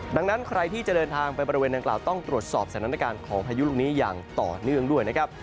ดังนั้นใครที่จะเดินทางไปบริเวณนางกล่าวต้องตรวจสอบสถานการณ์ของพายุลูกนี้อย่างต่อเนื่องด้วยนะครับ